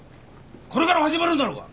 これから始まるんだろうが。